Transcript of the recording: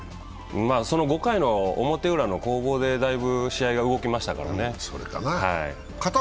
５回の表ウラの攻防でだいぶ試合が動きましたからね。